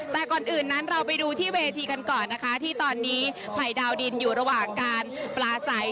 แต่ก่อนอื่นนั้นเราไปดูที่เวทีกันก่อนนะคะที่ตอนนี้ภัยดาวดินอยู่ระหว่างการปลาใส